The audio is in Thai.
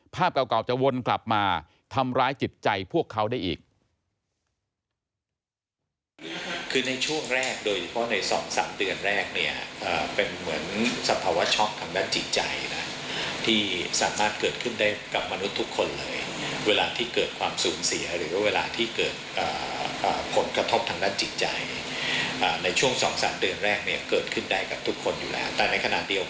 ภาพเก่าจะวนกลับมาทำร้ายจิตใจพวกเขาได้อีก